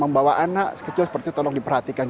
membawa anak kecil seperti itu tolong diperhatikan